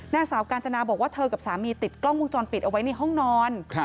นางสาวกาญจนาบอกว่าเธอกับสามีติดกล้องวงจรปิดเอาไว้ในห้องนอน